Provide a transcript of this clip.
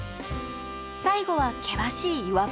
最後は険しい岩場。